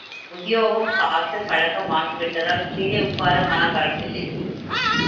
உத்தியோகம் பார்த்துப் பழக்கம் ஆகிவிட்டதால் கீழே உட்கார மனம் வரவில்லை.